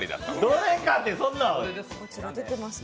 どれかってそんなん？